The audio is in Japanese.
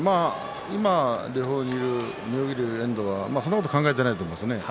今、土俵にいる妙義龍、遠藤はそんなことは考えていないと思います。